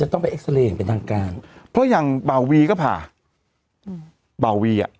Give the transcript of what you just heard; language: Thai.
จะต้องไปเป็นทางการเพราะอย่างบ่าววีก็ผ่าอืมบ่าววีอ่ะ